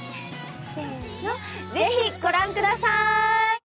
せぇのぜひご覧ください！